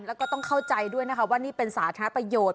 แล้วก็ต้องเข้าใจด้วยนะคะว่านี่เป็นสาธารณประโยชน์